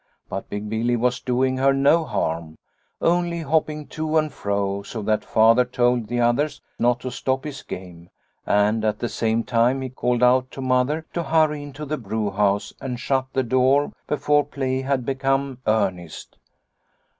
But Big Billy was doing her no harm, only hopping to and fro, so that Father told the others not to stop his game and at the same time he called out to Mother to hurry into the brewhouse and shut the door before play had become earnest.